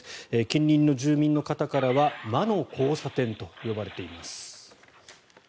近隣の住民の方からは魔の交差点と呼ばれています。